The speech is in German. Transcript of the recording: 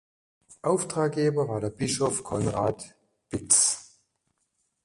Auftraggeber war der Bischof Konrad Bitz.